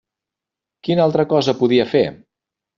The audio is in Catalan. Quina altra cosa podia fer?